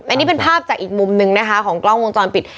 อันนี้เป็นภาพจากอีกมุมนึงนะคะของกล้องวงจรปิด